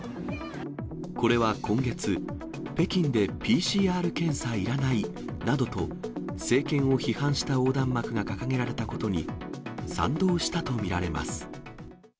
これは今月、北京でＰＣＲ検査要らないなどと、政権を批判した横断幕が掲げられたことに、賛同したと見られます。